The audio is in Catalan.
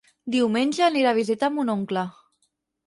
Diumenge anirà a visitar mon oncle.